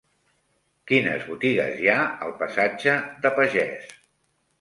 Quines botigues hi ha al passatge de Pagès?